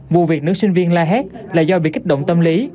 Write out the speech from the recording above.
vụ việc nữ sinh viên la hét là do bị kích động tâm lý